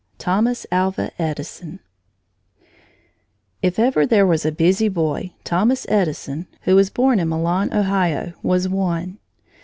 THOMAS ALVA EDISON If ever there was a busy boy, Thomas Edison, who was born in Milan, Ohio, was one.